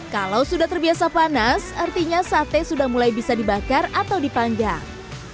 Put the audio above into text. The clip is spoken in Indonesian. kalau sudah terbiasa panas artinya sate sudah mulai bisa dibakar atau dipanggang